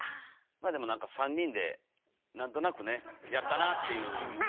まあでもなんか３人で何となくねやったなっていう感じが。